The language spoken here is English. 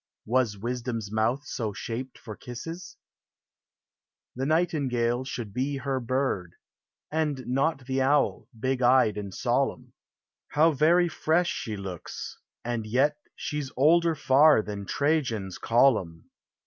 Was Wisdom's mouth so shaped for kisses : The Nightingale should he her bird, And not the Owl, hig eyed and solemn. How very fresh she looks, and yet She's older far than Trajan's column